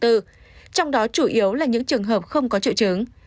trong đó chủ yếu là những trường hợp không có triệu chứng